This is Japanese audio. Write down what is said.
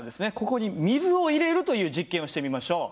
ここに水を入れるという実験をしてみましょう。